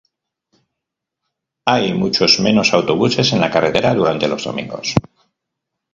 Hay muchos menos autobuses en la carretera durante los domingos.